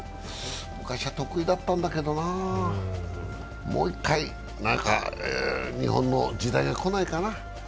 昔は得意だったんだけどな、もう一回、何か日本の時代が来ないかな。